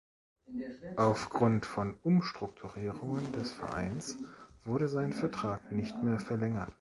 Auf Grund von Umstrukturierungen des Vereins wurde sein Vertrag nicht mehr verlängert.